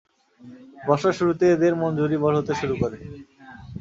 বর্ষার শুরুতে এদের মঞ্জুরি বড় হতে শুরু করে।